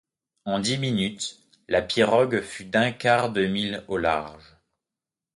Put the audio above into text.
En dix minutes, la pirogue fut d’un quart de mille au large.